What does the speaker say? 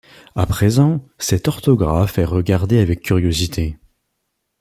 À présent, cette orthographe est regardée avec curiosité.